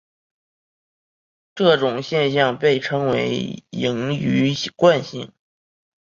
这种现象被称为盈余惯性。